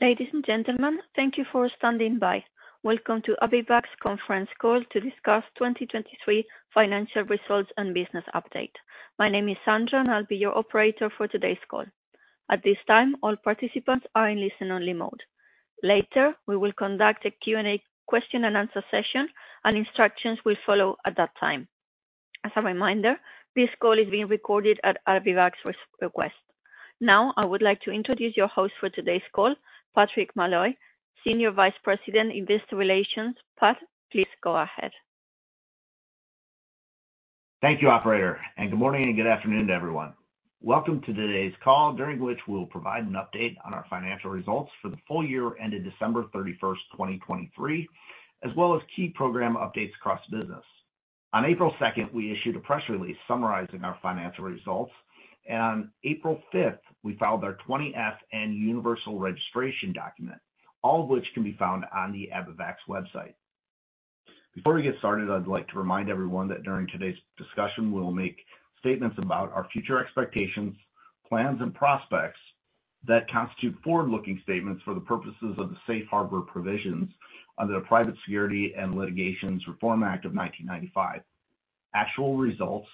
Ladies and gentlemen, thank you for standing by. Welcome to Abivax Conference Call to discuss 2023 financial results and business update. My name is Sandra, and I'll be your operator for today's call. At this time, all participants are in listen-only mode. Later, we will conduct a Q&A question-and-answer session, and instructions will follow at that time. As a reminder, this call is being recorded at Abivax's request. Now, I would like to introduce your host for today's call, Patrick Malloy, Senior Vice President, Investor Relations. Pat, please go ahead. Thank you, operator, and good morning and good afternoon to everyone. Welcome to today's call, during which we'll provide an update on our financial results for the full year ended December 31st, 2023, as well as key program updates across business. On April 2nd, we issued a press release summarizing our financial results, and on April 5th, we filed our 20-F Universal Registration Document, all of which can be found on the Abivax website. Before we get started, I'd like to remind everyone that during today's discussion, we will make statements about our future expectations, plans, and prospects that constitute forward-looking statements for the purposes of the Safe Harbor provisions under the Private Securities Litigation Reform Act of 1995. Actual results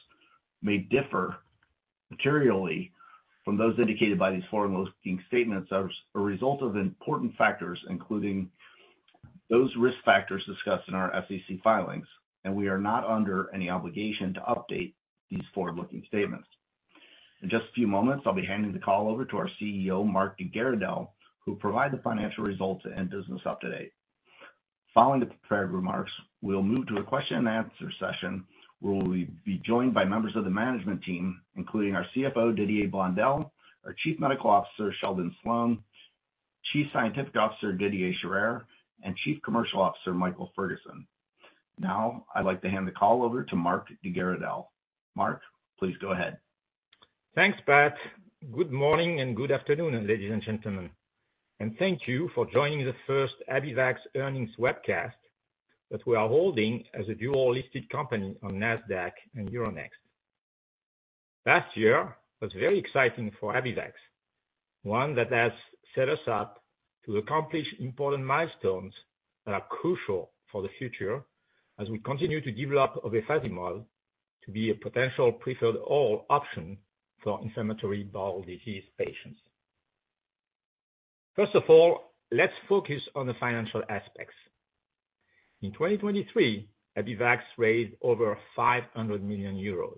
may differ materially from those indicated by these forward-looking statements as a result of important factors, including those risk factors discussed in our SEC filings, and we are not under any obligation to update these forward-looking statements. In just a few moments, I'll be handing the call over to our CEO, Marc de Garidel, who provide the financial results and business up-to-date. Following the prepared remarks, we'll move to a question-and-answer session, where we'll be joined by members of the management team, including our CFO, Didier Blondel, our Chief Medical Officer, Sheldon Sloan, Chief Scientific Officer, Didier Scherrer, and Chief Commercial Officer, Michael Ferguson. Now, I'd like to hand the call over to Marc de Garidel. Marc, please go ahead. Thanks, Pat. Good morning and good afternoon, ladies and gentlemen, and thank you for joining the first Abivax Earnings webcast that we are holding as a dual-listed company on NASDAQ and Euronext. Last year was very exciting for Abivax, one that has set us up to accomplish important milestones that are crucial for the future as we continue to develop a obefazimod to be a potential preferred option for inflammatory bowel disease patients. First of all, let's focus on the financial aspects. In 2023, Abivax raised over 500 million euros.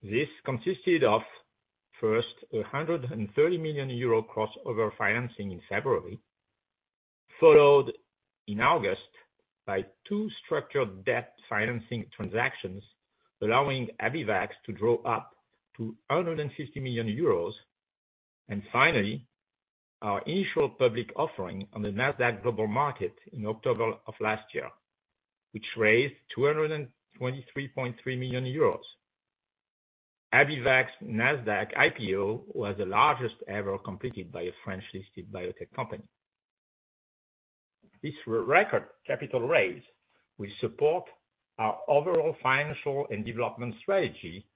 This consisted of, first, a 130 million euro crossover financing in February, followed in August by two structured debt financing transactions allowing Abivax to draw up to 150 million euros, and finally, our initial public offering on the NASDAQ Global Market in October of last year, which raised 223.3 million euros. Abivax NASDAQ IPO was the largest ever completed by a French-listed biotech company. This record capital raise will support our overall financial and development strategy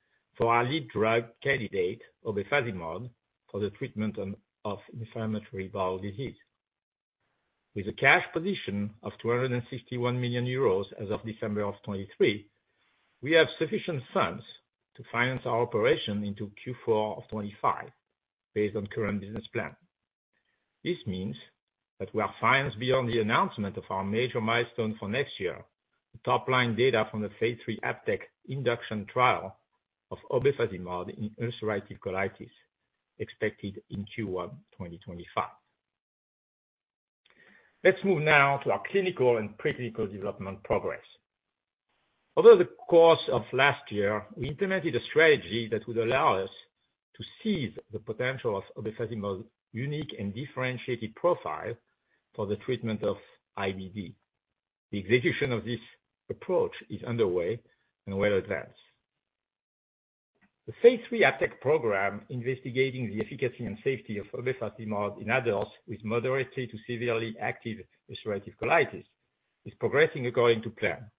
for our lead drug candidate, obefazimod, for the treatment of inflammatory bowel disease. With a cash position of 261 million euros as of December 2023, we have sufficient funds to finance our operation into Q4 of 2025 based on current business plan. This means that we are financed beyond the announcement of our major milestone for next year, top-line data from the phase III ABTECT induction trial of obefazimod in ulcerative colitis, expected in Q1 2025. Let's move now to our clinical and practical development progress. Over the course of last year, we implemented a strategy that would allow us to seize the potential of obefazimod's unique and differentiated profile for the treatment of IBD. The execution of this approach is underway and well advanced. The phase III ABTECT program investigating the efficacy and safety of obefazimod in adults with moderately to severely active ulcerative colitis is progressing according to plan.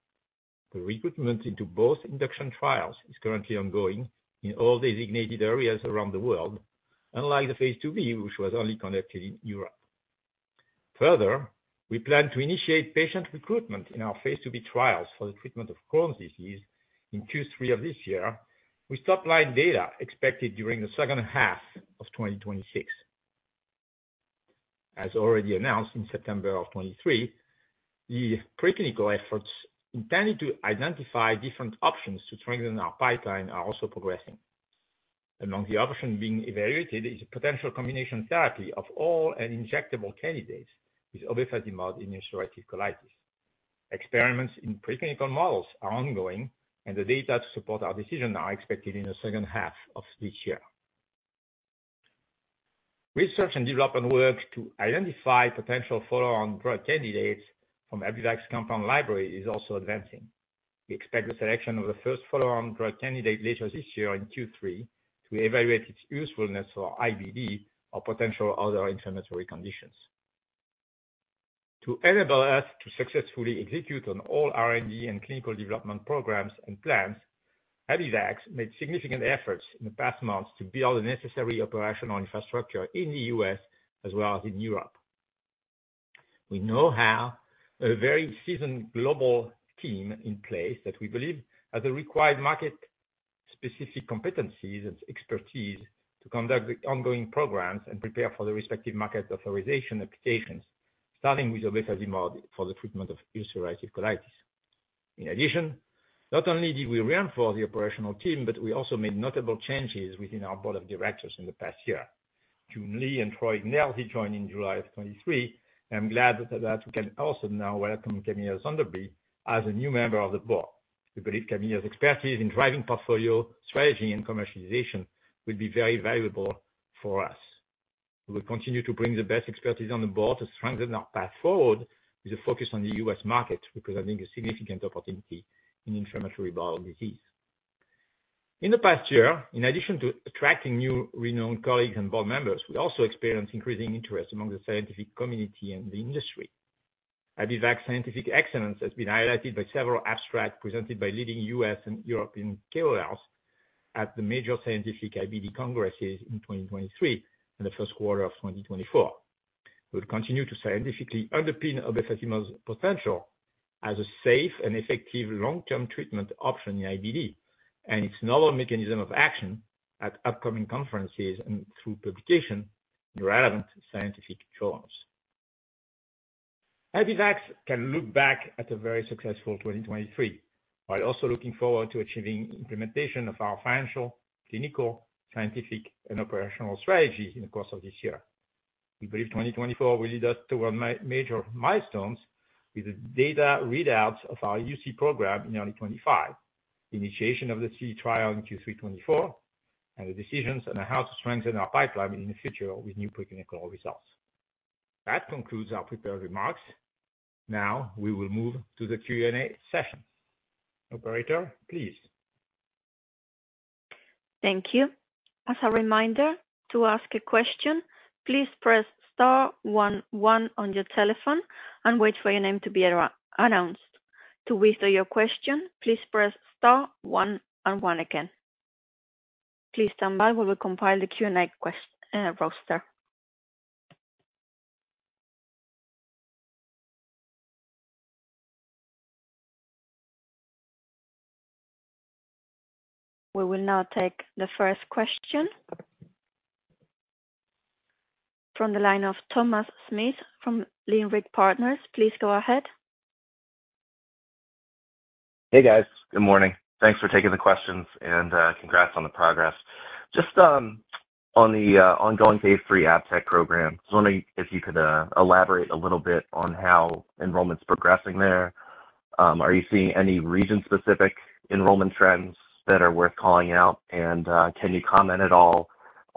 The recruitment into both induction trials is currently ongoing in all designated areas around the world, unlike the phase II-B, which was only conducted in Europe. Further, we plan to initiate patient recruitment in our phase II-B trials for the treatment of Crohn's disease in Q3 of this year with top-line data expected during the second half of 2026. As already announced in September of 2023, the preclinical efforts intended to identify different options to strengthen our pipeline are also progressing. Among the options being evaluated is a potential combination therapy of all injectable candidates with obefazimod in ulcerative colitis. Experiments in preclinical models are ongoing, and the data to support our decision are expected in the second half of this year. Research and development work to identify potential follow-on drug candidates from Abivax Compound Library is also advancing. We expect the selection of the first follow-on drug candidate later this year in Q3 to evaluate its usefulness for IBD or potential other inflammatory conditions. To enable us to successfully execute on all R&D and clinical development programs and plans, Abivax made significant efforts in the past months to build the necessary operational infrastructure in the U.S. as well as in Europe. We now have a very seasoned global team in place that we believe has the required market-specific competencies and expertise to conduct the ongoing programs and prepare for the respective market authorization applications, starting with obefazimod for the treatment of ulcerative colitis. In addition, not only did we reinforce the operational team, but we also made notable changes within our board of directors in the past year. June Lee and Troy Ignelzi joined in July 2023, and I'm glad that we can also now welcome Camilla Soenderby as a new member of the board. We believe Camilla's expertise in driving portfolio strategy and commercialization will be very valuable for us. We will continue to bring the best expertise on the board to strengthen our path forward with a focus on the U.S. market, representing a significant opportunity in inflammatory bowel disease. In the past year, in addition to attracting new renowned colleagues and board members, we also experienced increasing interest among the scientific community and the industry. Abivax scientific excellence has been highlighted by several abstracts presented by leading U.S. and European KOLs at the major scientific IBD congresses in 2023 and the first quarter of 2024. We will continue to scientifically underpin obefazimod's potential as a safe and effective long-term treatment option in IBD and its novel mechanism of action at upcoming conferences and through publication in relevant scientific journals. Abivax can look back at a very successful 2023 while also looking forward to achieving implementation of our financial, clinical, scientific, and operational strategies in the course of this year. We believe 2024 will lead us toward major milestones with the data readouts of our UC program in early 2025, the initiation of the CD trial in Q3 2024, and the decisions on how to strengthen our pipeline in the future with new preclinical results. That concludes our prepared remarks. Now, we will move to the Q&A session. Operator, please. Thank you. As a reminder, to ask a question, please press star one one on your telephone and wait for your name to be announced. To whisper your question, please press star one and one again. Please stand by. We will compile the Q&A question roster. We will now take the first question from the line of Thomas Smith from Leerink Partners. Please go ahead. Hey, guys. Good morning. Thanks for taking the questions, and congrats on the progress. Just on the ongoing phase III ABTECT program, I was wondering if you could elaborate a little bit on how enrollment's progressing there. Are you seeing any region-specific enrollment trends that are worth calling out, and can you comment at all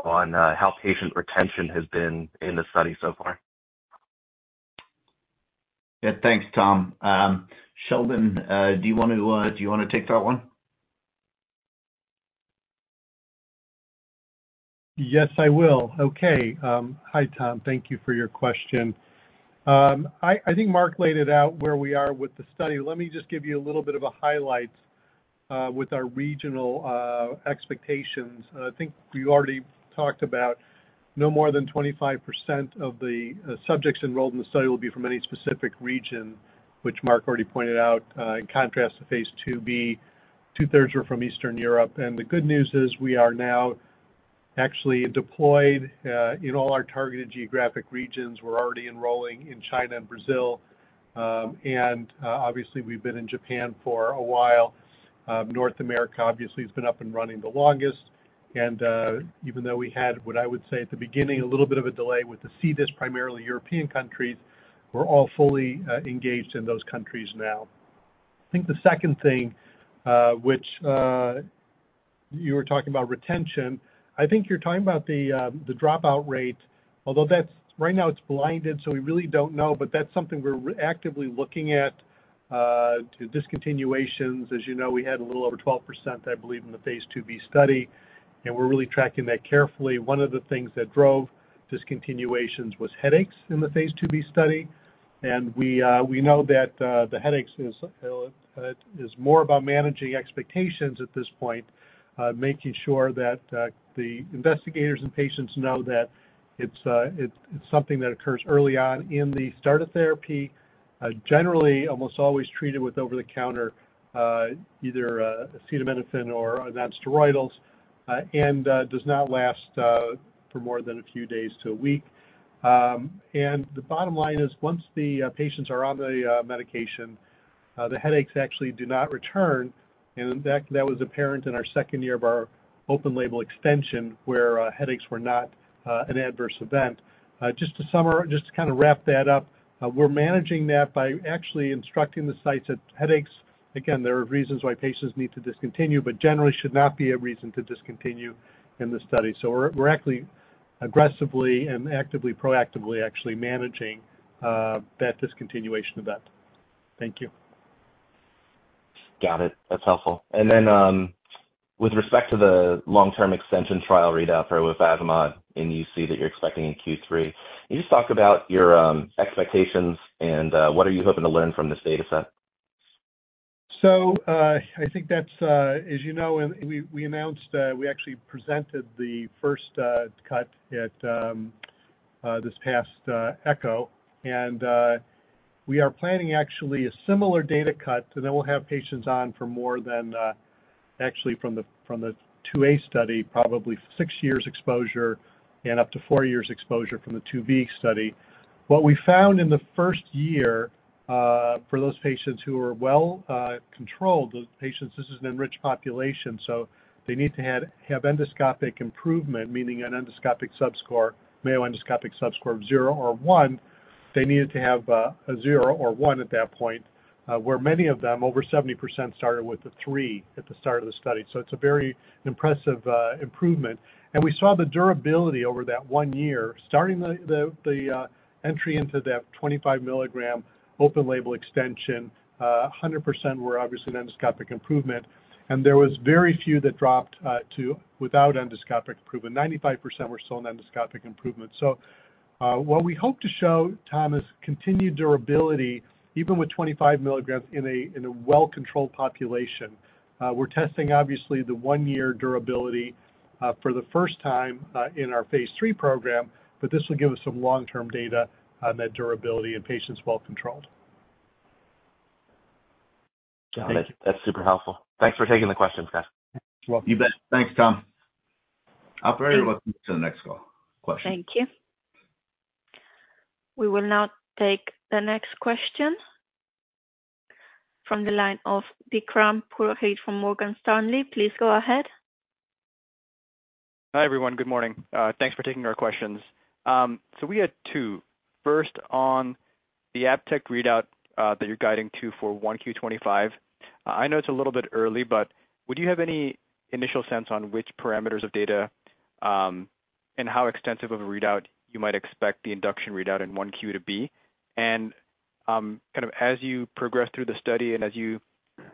on how patient retention has been in the study so far? Yeah, thanks, Tom. Sheldon, do you want to take that one? Yes, I will. Okay. Hi, Tom. Thank you for your question. I think Mark laid it out where we are with the study. Let me just give you a little bit of a highlight with our regional expectations. I think we already talked about no more than 25% of the subjects enrolled in the study will be from any specific region, which Mark already pointed out. In contrast to phase II-B, 2/3 were from Eastern Europe. And the good news is we are now actually deployed in all our targeted geographic regions. We're already enrolling in China and Brazil, and obviously, we've been in Japan for a while. North America, obviously, has been up and running the longest. And even though we had, what I would say at the beginning, a little bit of a delay with the CTIS, primarily European countries, we're all fully engaged in those countries now. I think the second thing, which you were talking about retention, I think you're talking about the dropout rate. Although right now, it's blinded, so we really don't know, but that's something we're actively looking at. Discontinuations, as you know, we had a little over 12%, I believe, in the phase II-B study, and we're really tracking that carefully. One of the things that drove discontinuations was headaches in the phase II-B study, and we know that the headaches is more about managing expectations at this point, making sure that the investigators and patients know that it's something that occurs early on in the start of therapy, generally almost always treated with over-the-counter either acetaminophen or nonsteroidals, and does not last for more than a few days to a week. The bottom line is once the patients are on the medication, the headaches actually do not return. In fact, that was apparent in our second year of our open-label extension where headaches were not an adverse event. Just to summarize, just to kind of wrap that up, we're managing that by actually instructing the sites that headaches again, there are reasons why patients need to discontinue, but generally should not be a reason to discontinue in the study. We're actually aggressively and actively, proactively, actually managing that discontinuation event. Thank you. Got it. That's helpful. And then with respect to the long-term extension trial readout for obefazimod in UC that you're expecting in Q3, can you just talk about your expectations and what are you hoping to learn from this dataset? So I think that's, as you know, we announced we actually presented the first cut this past ECCO, and we are planning actually a similar data cut, and then we'll have patients on for more than actually from the Phase IIA study, probably 6 years exposure and up to 4 years exposure from the phase II-B study. What we found in the first year for those patients who were well-controlled, those patients this is an enriched population, so they need to have endoscopic improvement, meaning an endoscopic subscore, Mayo endoscopic subscore of 0 or 1. They needed to have a 0 or 1 at that point, where many of them, over 70%, started with a 3 at the start of the study. So it's a very impressive improvement. We saw the durability over that 1 year, starting the entry into that 25-mg open-label extension, 100% were obviously in endoscopic improvement, and there was very few that dropped without endoscopic improvement. 95% were still in endoscopic improvement. So what we hope to show, Tom, is continued durability even with 25 mg in a well-controlled population. We're testing, obviously, the 1-year durability for the first time in our phase III program, but this will give us some long-term data on that durability in patients well-controlled. Got it. That's super helpful. Thanks for taking the questions, guys. You bet. Thanks, Tom. Operator, welcome to the next question. Thank you. We will now take the next question from the line of Vikram Purohit from Morgan Stanley. Please go ahead. Hi, everyone. Good morning. Thanks for taking our questions. So we had two. First, on the ABTECT readout that you're guiding to for 1Q25, I know it's a little bit early, but would you have any initial sense on which parameters of data and how extensive of a readout you might expect the induction readout in 1Q to be? And kind of as you progress through the study and as you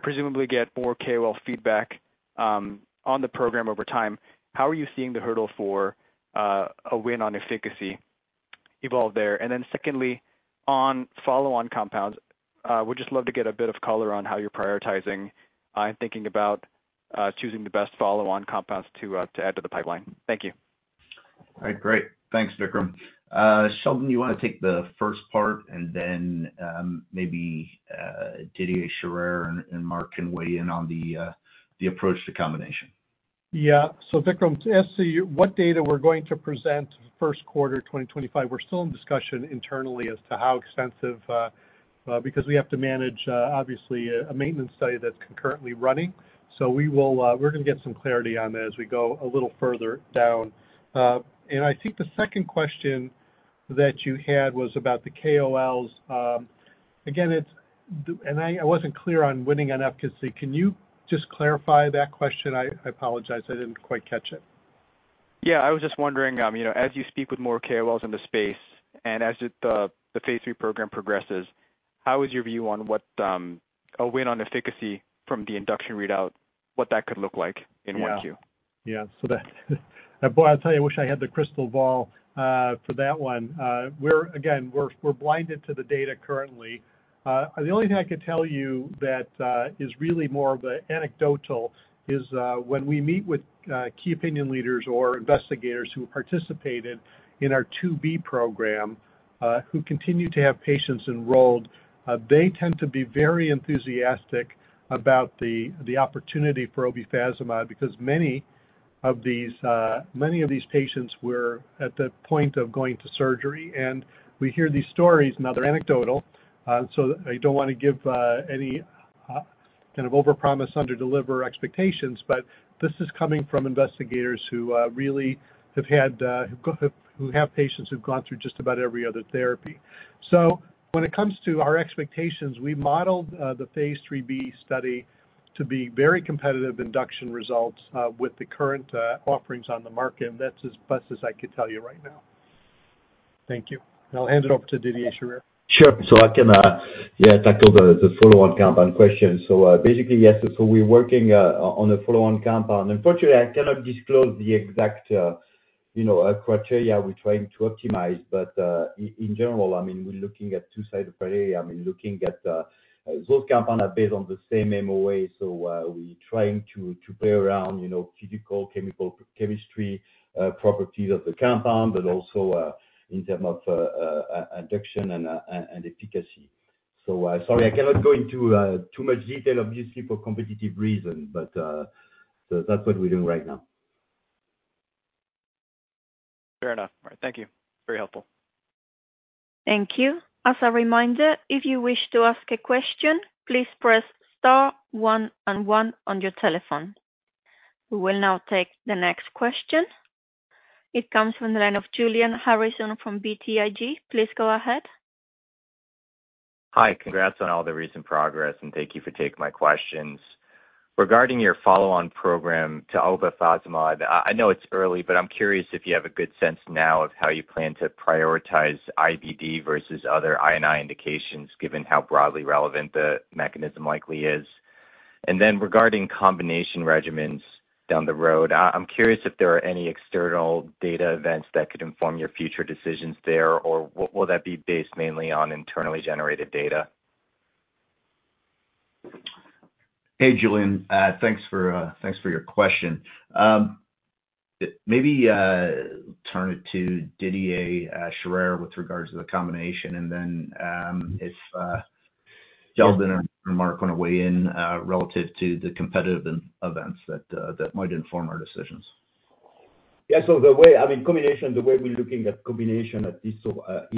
presumably get more KOL feedback on the program over time, how are you seeing the hurdle for a win on efficacy evolve there? And then secondly, on follow-on compounds, we'd just love to get a bit of color on how you're prioritizing and thinking about choosing the best follow-on compounds to add to the pipeline. Thank you. All right. Great. Thanks, Vikram. Sheldon, you want to take the first part, and then maybe Didier Scherrer and Marc can weigh in on the approach to combination. Yeah. So Vikram, to ask what data we're going to present first quarter 2025, we're still in discussion internally as to how extensive because we have to manage, obviously, a maintenance study that's concurrently running. So we're going to get some clarity on that as we go a little further down. And I think the second question that you had was about the KOLs. Again, it's and I wasn't clear on winning on efficacy. Can you just clarify that question? I apologize. I didn't quite catch it. Yeah. I was just wondering, as you speak with more KOLs in the space and as the phase III program progresses, how is your view on a win on efficacy from the induction readout, what that could look like in 1Q? Yeah. Yeah. Boy, I'll tell you, I wish I had the crystal ball for that one. Again, we're blinded to the data currently. The only thing I could tell you that is really more of an anecdotal is when we meet with key opinion leaders or investigators who participated in our II-B program, who continue to have patients enrolled, they tend to be very enthusiastic about the opportunity for obefazimod because many of these patients were at the point of going to surgery. And we hear these stories, and they're anecdotal. So I don't want to give any kind of overpromise, underdeliver expectations, but this is coming from investigators who really have had patients who've gone through just about every other therapy. When it comes to our expectations, we modeled the phase III-B study to be very competitive induction results with the current offerings on the market, and that's as best as I could tell you right now. Thank you. I'll hand it over to Didier Scherrer. Sure. So I can, yeah, tackle the follow-on compound question. So basically, yes, so we're working on a follow-on compound. Unfortunately, I cannot disclose the exact criteria we're trying to optimize, but in general, I mean, we're looking at two sides of the coin. I mean, looking at those compounds are based on the same MOA, so we're trying to play around physical, chemical, chemistry properties of the compound, but also in terms of induction and efficacy. So sorry, I cannot go into too much detail, obviously, for competitive reasons, but that's what we're doing right now. Fair enough. All right. Thank you. Very helpful. Thank you. As a reminder, if you wish to ask a question, please press star one and one on your telephone. We will now take the next question. It comes from the line of Julian Harrison from BTIG. Please go ahead. Hi. Congrats on all the recent progress, and thank you for taking my questions. Regarding your follow-on program to obefazimod, I know it's early, but I'm curious if you have a good sense now of how you plan to prioritize IBD versus other I&I indications given how broadly relevant the mechanism likely is. And then regarding combination regimens down the road, I'm curious if there are any external data events that could inform your future decisions there, or will that be based mainly on internally generated data? Hey, Julian. Thanks for your question. Maybe turn it to Didier Scherrer with regards to the combination, and then if Sheldon or Marc want to weigh in relative to the competitive events that might inform our decisions. Yeah. So the way, I mean, combination, the way we're looking at combination at this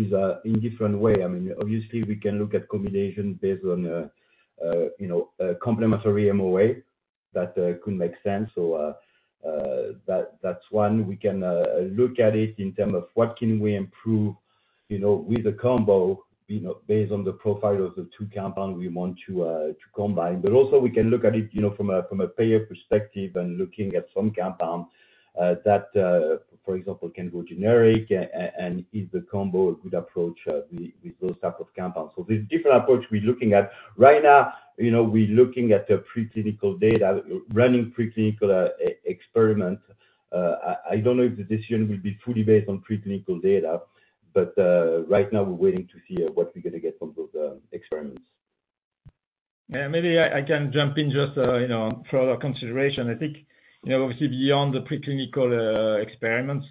is in different way. I mean, obviously, we can look at combination based on a complementary MOA. That could make sense. So that's one. We can look at it in terms of what can we improve with a combo based on the profile of the two compounds we want to combine. But also, we can look at it from a payer perspective and looking at some compound that, for example, can go generic and is the combo a good approach with those types of compounds. So there's different approaches we're looking at. Right now, we're looking at pre-clinical data, running pre-clinical experiments. I don't know if the decision will be fully based on pre-clinical data, but right now, we're waiting to see what we're going to get from those experiments. Yeah. Maybe I can jump in just for other consideration. I think, obviously, beyond the pre-clinical experiments,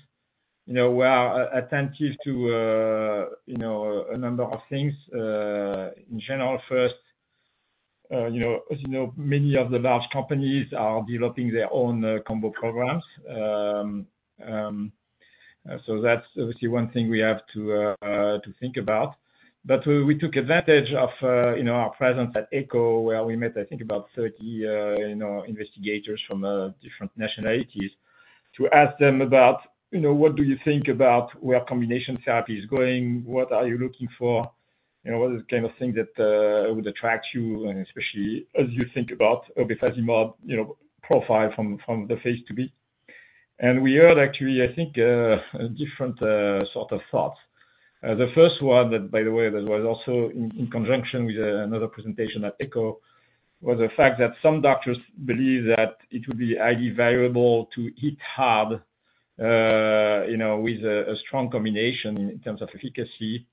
we are attentive to a number of things. In general, first, as you know, many of the large companies are developing their own combo programs. So that's, obviously, one thing we have to think about. But we took advantage of our presence at ECCO, where we met, I think, about 30 investigators from different nationalities to ask them about, "What do you think about where combination therapy is going? What are you looking for? What are the kind of things that would attract you, especially as you think about obefazimod profile from the phase II-B?" And we heard, actually, I think, different sorts of thoughts. The first one that, by the way, that was also in conjunction with another presentation at ECCO was the fact that some doctors believe that it would be highly valuable to hit hard with a strong combination in terms of efficacy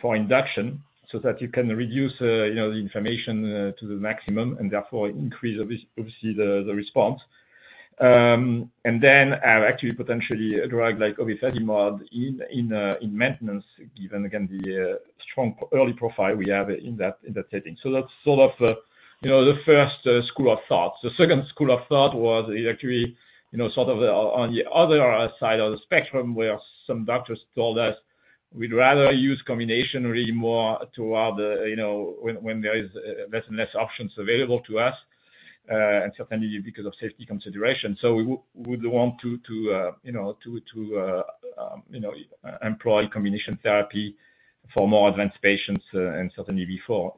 for induction so that you can reduce the inflammation to the maximum and therefore increase, obviously, the response. And then actually potentially a drug like obefazimod in maintenance, given, again, the strong early profile we have in that setting. So that's sort of the first school of thought. The second school of thought was actually sort of on the other side of the spectrum where some doctors told us we'd rather use combination really more toward when there is less and less options available to us and certainly because of safety considerations. So we would want to employ combination therapy for more advanced patients and certainly before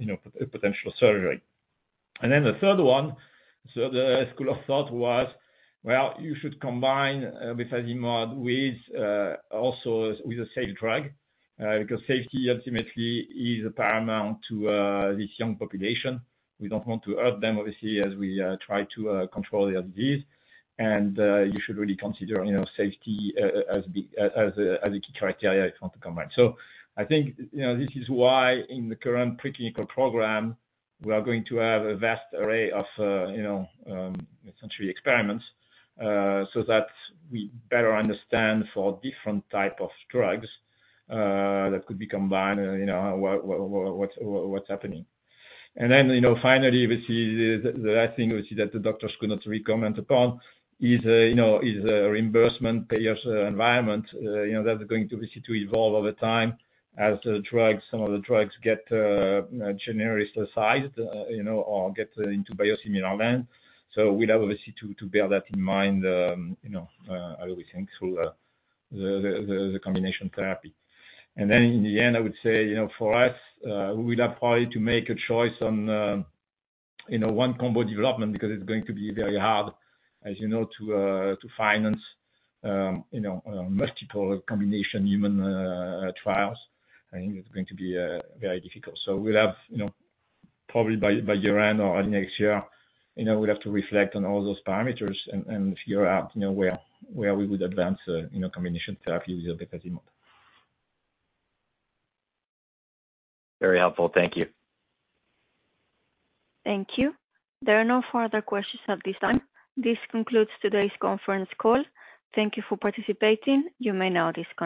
potential surgery. And then the third one, so the school of thought was, "Well, you should combine obefazimod also with a safe drug because safety, ultimately, is paramount to this young population. We don't want to hurt them, obviously, as we try to control their disease. And you should really consider safety as a key criteria if you want to combine." So I think this is why in the current pre-clinical program, we are going to have a vast array of, essentially, experiments so that we better understand for different types of drugs that could be combined what's happening. And then finally, obviously, the last thing, obviously, that the doctors could not recommend upon is a reimbursement payer's environment that's going to, obviously, evolve over time as some of the drugs get generically sized or get into biosimilar land. So we'd have, obviously, to bear that in mind. I always think through the combination therapy. And then, in the end, I would say for us, we'd have probably to make a choice on one combo development because it's going to be very hard, as you know, to finance multiple combination human trials. I think it's going to be very difficult. So we'll have probably by year-end or next year, we'll have to reflect on all those parameters and figure out where we would advance combination therapy with obefazimod. Very helpful. Thank you. Thank you. There are no further questions at this time. This concludes today's conference call. Thank you for participating. You may now disconnect.